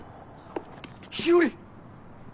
日和！